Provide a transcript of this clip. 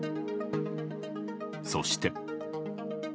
そして。